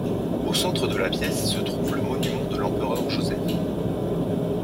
Au centre de la pièce se trouve le monument de l'empereur Joseph.